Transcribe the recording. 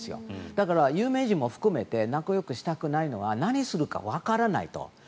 だから、有名人も含めて仲よくしたくないのは何をするかわからないと。